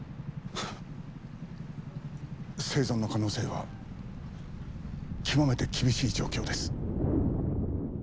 生存の可能性は極めて厳しい状況です。